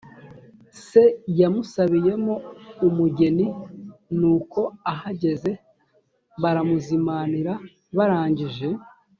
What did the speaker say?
se yamusabiyemo umugeni. nuko ahageze baramuzimanira, barangije